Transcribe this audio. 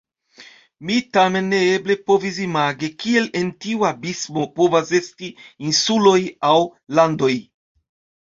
Mi tamen neeble povis imagi, kiel en tiu abismo povas esti insuloj aŭ landoj.